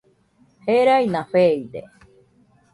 Gereina feide